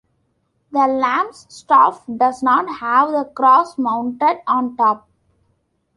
The lamb's staff does not have the cross mounted on top.